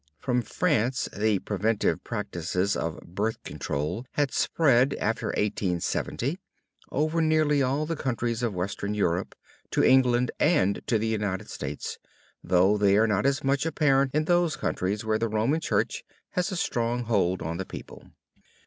From France the preventive practices of "birth control" had spread, after 1870, over nearly all the countries of western Europe, to England and to the United States; though they are not as much apparent in those countries where the Roman Church has a strong hold on the people.